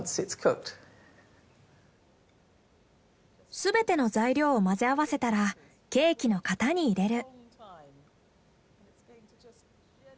全ての材料を混ぜ合わせたらケーキの型に入れる。